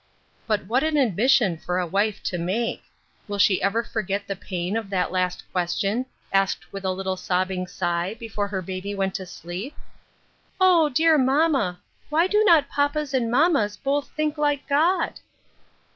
But what an admission for a wife to make ! Will she ever forget the pain of that last question, asked with a little sobbing sigh, before her baby went to sleep, " Oh ! dear mamma, why do not papas and mammas both think like God